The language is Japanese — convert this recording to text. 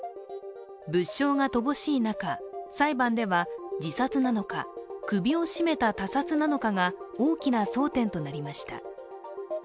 物証が乏しい中裁判では、自殺なのか首を絞めた他殺なのかが大きな争点となりました。